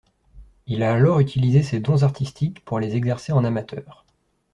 Il a alors utilisé ses dons artistiques pour les exercer en amateur.